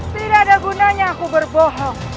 tidak ada gunanya aku berbohong